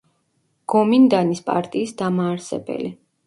გომინდანის პარტიის დამაარსებელი.